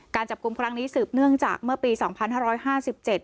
จับกลุ่มครั้งนี้สืบเนื่องจากเมื่อปีสองพันห้าร้อยห้าสิบเจ็ด